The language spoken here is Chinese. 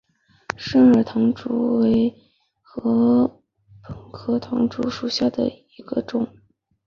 肾耳唐竹为禾本科唐竹属下的一个种。